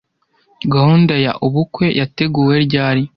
Gahunda ya ubukwe yateguwe ryari